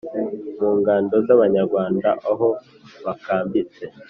mungando zabanyarwanda aho bakambitse